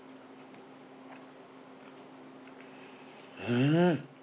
うん！